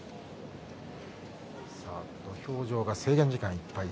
土俵上が制限時間いっぱい。